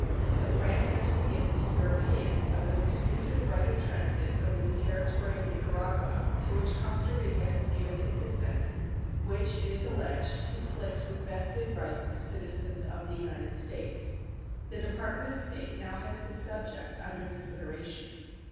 A grant has been given to Europeans of an exclusive right of transit over the territory of Nicaragua, to which Costa Rico has given its assent, which, it is alleged, conflicts with vested rights of citizens of the United States. The Department of State has now this subject under consideration.